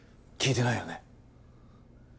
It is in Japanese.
聞いてないよね！？